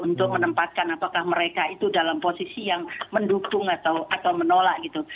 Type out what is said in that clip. untuk menempatkan apakah mereka itu dalam posisi yang mendukung atau menolak gitu